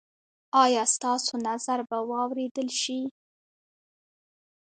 ایا ستاسو نظر به واوریدل شي؟